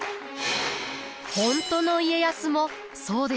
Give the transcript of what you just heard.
本当の家康もそうでした。